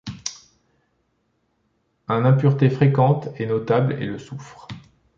Un impureté fréquente et notable est le soufre.